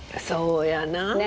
そうやな。